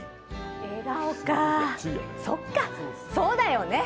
笑顔か、そっか、そうだよね。